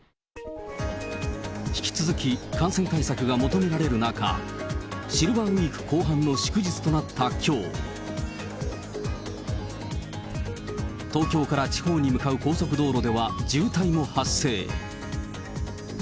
引き続き感染対策が求められる中、シルバーウイーク後半の祝日となったきょう、東京から地方に向かう高速道路では渋滞も発生。